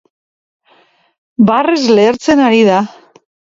Barrez lehertzen ari da.